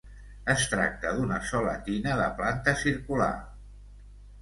Es tracta d'una sola tina de planta circular.